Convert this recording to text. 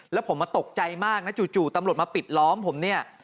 แล้วผมตกใจมากนะจู่ตำรวจมาปิดล้อมผมเนี่ย